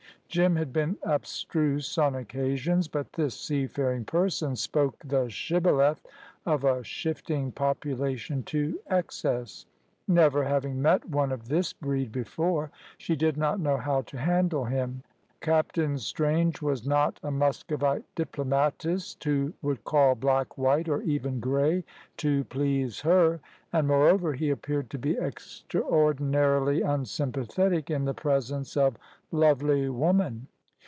Jim had been abstruse on occasions, but this seafaring person spoke the shibboleth of a shifting population to excess. Never having met one of this breed before, she did not know how to handle him. Captain Strange was not a Muscovite diplomatist, who would call black white, or even grey, to please her; and, moreover, he appeared to be extraordinarily unsympathetic in the presence of lovely woman.